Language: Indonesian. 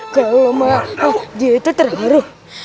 kamu yakin kalau dia itu terharu